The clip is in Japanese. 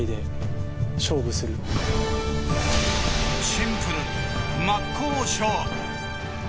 シンプル、真っ向勝負。